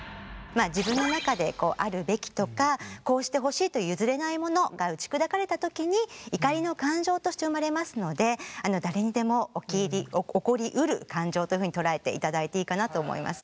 自分の中でこうあるべきとかこうしてほしいという譲れないものが打ち砕かれたときに怒りの感情として生まれますので誰にでも起こりうる感情というふうに捉えていただいていいかなと思います。